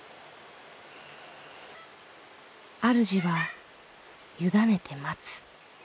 あるじは委ねて待つ。